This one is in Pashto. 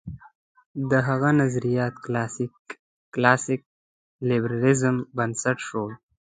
د هغه نظریات کلاسیک لېبرالېزم بنسټ شول.